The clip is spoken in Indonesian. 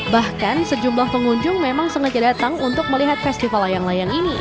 bahkan sejumlah pengunjung memang sengaja datang untuk melihat festival layang layang ini